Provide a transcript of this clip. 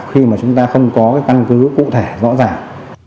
khi mà chúng ta không có cái căn cứ cụ thể rõ ràng